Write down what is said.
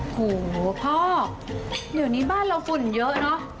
โหพ่อเดี๋ยวนี้บ้านเราฝุ่นเยอะเนอะ